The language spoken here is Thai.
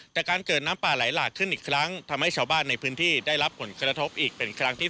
แต่การเกิดน้ำป่าไหลหลากขึ้นอีกครั้งทำให้ชาวบ้านในพื้นที่ได้รับผลกระทบอีกเป็นครั้งที่๓